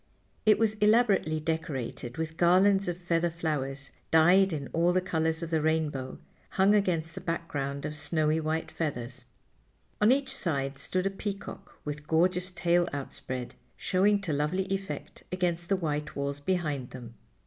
It was elaborately decorated with garlands of feather flowers dyed in all the colors of the rainbow, hung against a background of snowy white feathers. On each side stood a peacock with gorgeous tail outspread, showing to lovely effect against the white walls behind them.